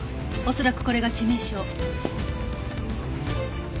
恐らくこれが致命傷。